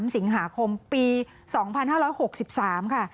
๓สิงหาคมปี๒๕๖๓ค่ะ